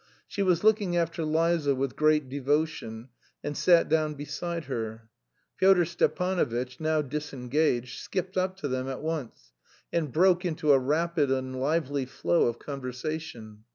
She was looking after Liza with great devotion, and sat down beside her. Pyotr Stepanovitch, now disengaged, skipped up to them at once, and broke into a rapid and lively flow of conversation.